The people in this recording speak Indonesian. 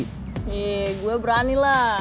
hei gue berani lah